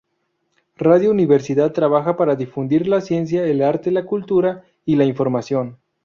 Radio Universidad trabaja para difundir la ciencia, el arte, la cultura, y la información.